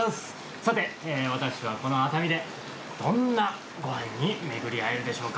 さて私はこの熱海でどんなご飯に巡り合えるでしょうか。